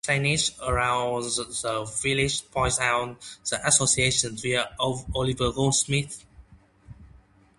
Signage around the village points out the association with Oliver Goldsmith.